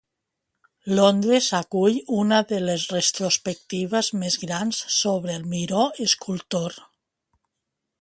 Londres acull una de les retrospectives més grans sobre el Miró escultor.